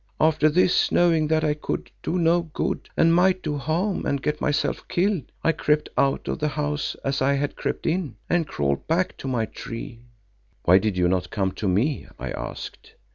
After this, knowing that I could do no good and might do harm and get myself killed, I crept out of the house as I had crept in, and crawled back to my tree." "Why did you not come to me?" I asked.